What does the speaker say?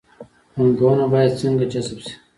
پانګونه باید څنګه جذب شي؟